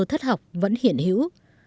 thất học vẫn hiện hữu